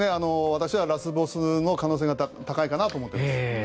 私はラスボスの可能性が高いかなと思ってます。